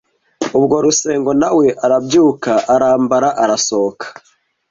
Ubwo Rusengo nawe arabyuka arambara arasohoka